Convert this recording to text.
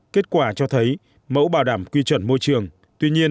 kết quả cho thấy mẫu bảo đảm quy chuẩn môi trường tuy nhiên